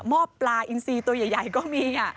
หมอปลาอินซีตัวใหญ่ก็มี